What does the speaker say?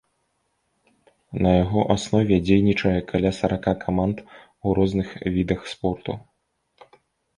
На яго аснове дзейнічае каля сарака каманд у розных відах спорту.